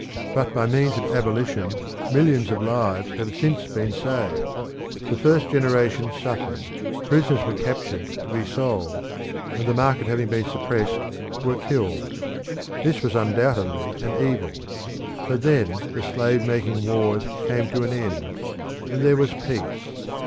But by means of abolition millions of lives have since been saved. The first generation suffered; prisoners were captured to be sold, and the market having been suppressed, were killed. This was undoubtedly an evil. But then the slave making wars came to an end, and there was peace.